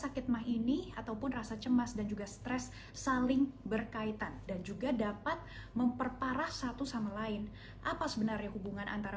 sakit mah ini ataupun rasa cemas dan juga stres saling berkaitan dan juga dapat memperparah satu